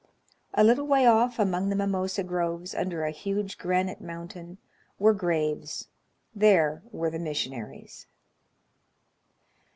A little way oif, among the mimosa groves, under a huge granite mountain, were graves: there were the missionaries.